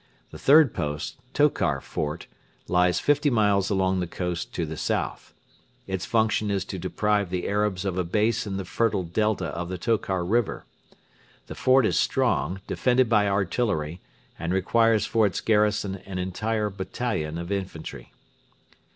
The third post, Tokar Fort, lies fifty miles along the coast to the south. Its function is to deprive the Arabs of a base in the fertile delta of the Tokar river. The fort is strong, defended by artillery, and requires for its garrison an entire battalion of infantry.